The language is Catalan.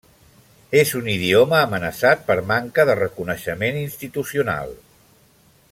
És un idioma amenaçat per manca de reconeixement institucional.